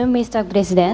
selamat pagi tuan presiden